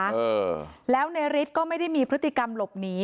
เออแล้วในฤทธิ์ก็ไม่ได้มีพฤติกรรมหลบหนี